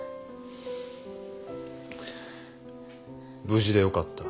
無事でよかった。